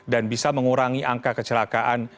dan bisa mengurangi angka kecelakaan